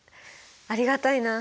ありがたいな。